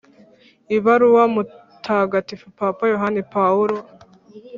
ibaruwa mutagatifu papa yohani pawulo